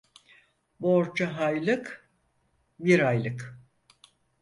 Borca haylık bir aylık.